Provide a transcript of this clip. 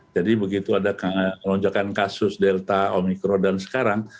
jadi begitu ada lonjakan kasus delta omikron dan sekarang